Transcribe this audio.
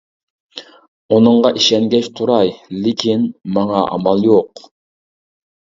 -ئۇنىڭغا ئىشەنگەچ تۇراي، لېكىن، ماڭا ئامال يوق.